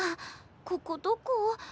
ここどこ？